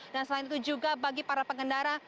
dan selain itu juga bagi para pengendara